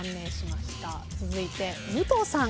続いて武藤さん。